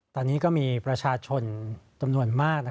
ตอนนี้ก็มีประชาชนจำนวนมาก